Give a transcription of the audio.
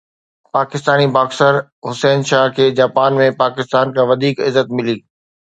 Pakistani boxer Hussain Shah کي Japan ۾ Pakistan کان وڌيڪ عزت ملي